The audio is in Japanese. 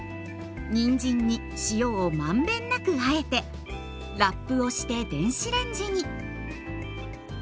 にんじんに塩を満遍なくあえてラップをして電子レンジに。